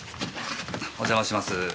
お邪魔します。